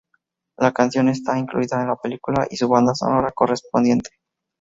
La canción está incluida en la película y su banda sonora correspondiente.